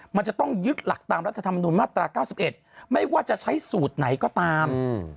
มันจะต้องยึดหลักตามรัฐธรรมนุนมาตรา๙๑ไม่ว่าจะใช้สูตรไหนก็ตาม